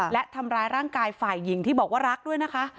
และทำร้ายร่างกายฝ่ายหญิงที่บอกว่ารักด้วยนะคะ